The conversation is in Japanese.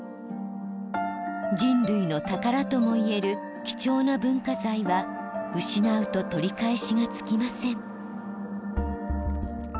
人類の宝とも言える貴重な文化財は失うと取り返しがつきません。